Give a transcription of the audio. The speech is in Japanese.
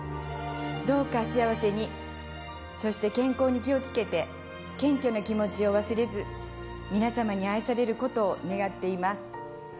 どうか幸せにそして健康に気を付けて謙虚な気持ちを忘れず皆様に愛されることを願っています。